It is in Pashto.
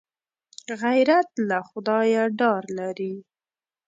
غیرت له خدایه ډار لري